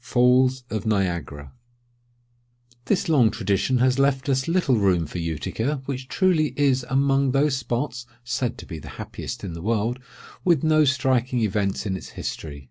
UTICA. This long tradition has left us little room for Utica, which truly is among those spots (said to be the happiest in the world) with no striking events in its history.